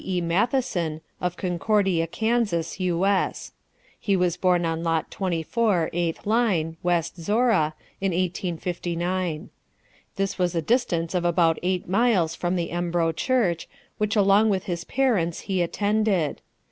E. Matheson, of Concordia, Kansas, U.S. He was born on lot 24, 8th line, West Zorra, in 1859. This was a distance of about eight miles from the Embro church, which along with his parents he attended.